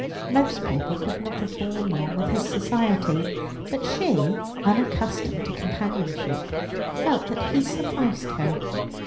Most people could not have borne long with his society, but she, unaccustomed to companionship, felt that he sufficed her.